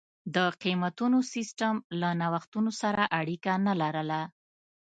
د قېمتونو سیستم له نوښتونو سره اړیکه نه لرله.